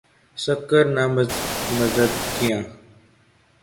سکر نامزدگیاں